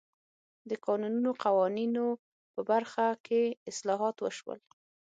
د کانونو قوانینو په برخه کې اصلاحات وشول.